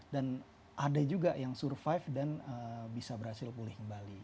dan ada juga yang survive dan bisa berhasil pulih kembali